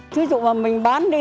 ví dụ mà mình bán đi